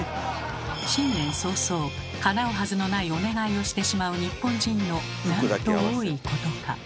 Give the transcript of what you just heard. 新年早々かなうはずのないお願いをしてしまう日本人のなんと多いことか。